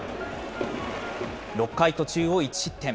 ６回途中を１失点。